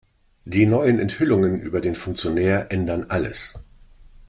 Die neuen Enthüllungen über den Funktionär ändern alles.